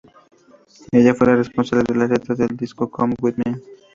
Ella fue la responsable de las letras del "Disco Come With Me".